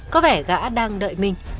có vẻ gã đang đợi minh